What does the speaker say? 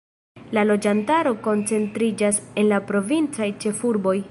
La loĝantaro koncentriĝas en la provincaj ĉefurboj.